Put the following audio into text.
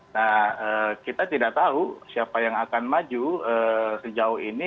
nah kita tidak tahu siapa yang akan maju sejauh ini